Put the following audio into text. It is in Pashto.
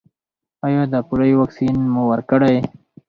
ایا د پولیو واکسین مو ورکړی؟